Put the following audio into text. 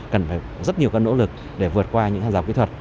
cần phải có rất nhiều nỗ lực để vượt qua những tham gia kỹ thuật